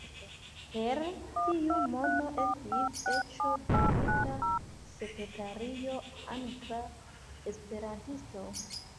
Per tiu mono estis eĉ dungita sekretario, angla esperantisto.